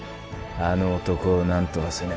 あの男をなんとかせねば。